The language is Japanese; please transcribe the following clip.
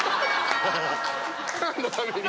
何のために？